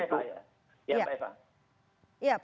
ya saya mau respon ya